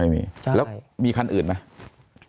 เรามีคันอื่นไหม